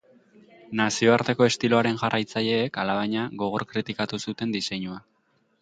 Nazioarteko estiloaren jarraitzaileek, alabaina, gogor kritikatu zuten diseinua.